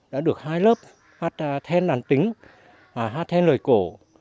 đã được hai lớp hát then đàn tính hát then lời cổ